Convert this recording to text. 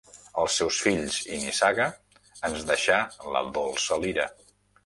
Als seus fills i nissaga, ens deixà la dolça lira.